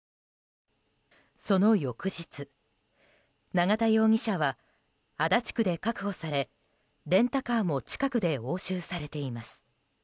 その翌日、永田容疑者は足立区で確保されレンタカーも近くで押収されています。